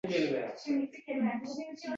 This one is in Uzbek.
O`shani yoniga boraqoling